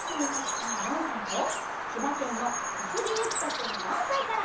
ちゃん４さいとちばけんのこすぎゆきとくん４さいから。